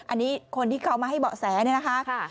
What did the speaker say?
อันนี้คนที่เขามาให้เบาะแสเนี่ยนะคะ